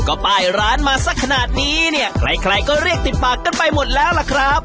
ก็ป้ายร้านมาสักขนาดนี้เนี่ยใครใครก็เรียกติดปากกันไปหมดแล้วล่ะครับ